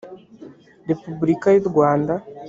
repubulika y’u rwanda